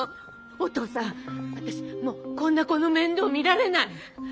おとうさん私もうこんな子の面倒見られない。